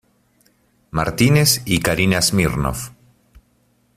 Martinez y Karina Smirnoff.